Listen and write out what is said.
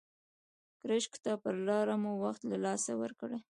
ګرشک ته پر لاره مو وخت له لاسه ورکړی.